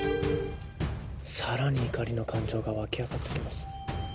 更に怒りの感情が沸き上がってきます。